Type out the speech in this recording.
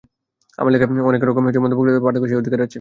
আমার লেখায় অনেকে অনেক রকম মন্তব্য করে থাকেন, পাঠকের সেই অধিকার আছে।